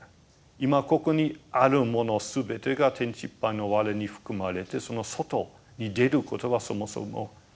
今ここにあるもの全てが「天地いっぱいの我」に含まれてその外に出ることはそもそもできないんですね。